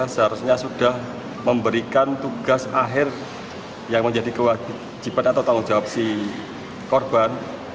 seharusnya sudah memberikan tugas akhir yang menjadi kewajiban atau tanggung jawab si korban